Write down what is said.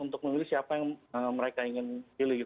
untuk memilih siapa yang mereka ingin pilih